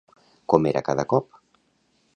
Com era cada cop?